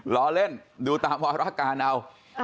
ล้อเล่นดูตามวารการเอา